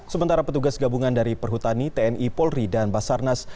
sementara petugas gabungan dari perhutani tni polri dan basarnas